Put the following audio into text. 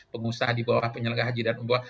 pengusaha di bawah penyelenggara haji dan umroh